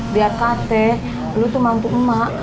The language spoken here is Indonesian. biar kt lo tuh mampu mak